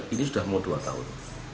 ini sudah mau dua tahun